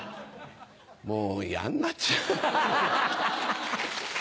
もうやんなっちゃう。